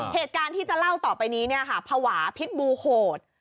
เหตุการณ์ที่จะเล่าต่อไปนี้ภาวะพิษบูร์โหด